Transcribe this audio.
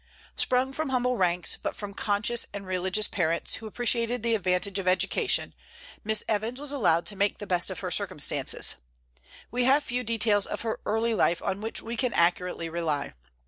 Sprung from humble ranks, but from conscientious and religious parents, who appreciated the advantage of education, Miss Evans was allowed to make the best of her circumstances. We have few details of her early life on which we can accurately rely.